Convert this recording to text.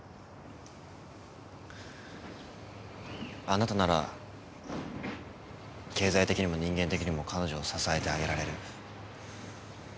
あなたなら経済的にも人間的にも彼女を支えてあげられる。